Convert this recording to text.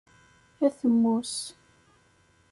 Atemmu-s.